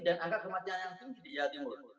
angka kematian yang tinggi di jawa timur